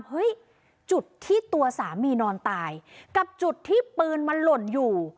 เฮ้ยจุดที่ตัวสามีนอนตายกับจุดที่ปืนมันหล่นอยู่